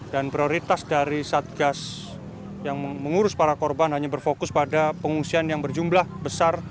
dan prioritas dari satgas yang mengurus para korban hanya berfokus pada pengungsian yang berjumlah besar